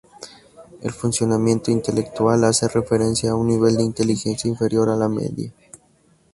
El funcionamiento intelectual hace referencia a un nivel de inteligencia inferior a la media.